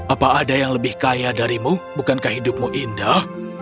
apa ada yang lebih kaya darimu bukankah hidupmu indah